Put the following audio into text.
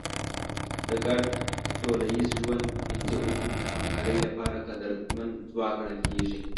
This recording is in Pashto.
د ګډ سوله ییز ژوند پنځه اصول د همکارۍ لپاره قدرتمند ځواک ګڼل کېږي.